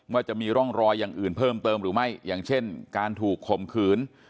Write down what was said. ว่าจะมีร่องรอยอย่างอื่นเพิ่มเติมหรือไม่อย่างเช่นการถูกข่มขืน